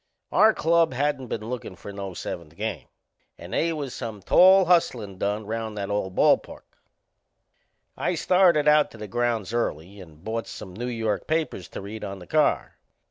Our club hadn't been lookin' for no seventh game and they was some tall hustlin' done round that old ball park. I started out to the grounds early and bought some New York papers to read on the car.